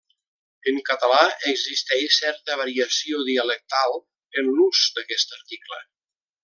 En català existeix certa variació dialectal en l'ús d'aquest article.